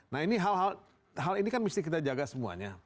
nah ini hal hal ini kan mesti kita jaga semuanya